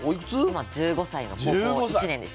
今１５歳の高校１年です。